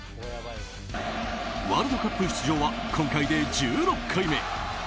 ワールドカップ出場は今回で１６回目。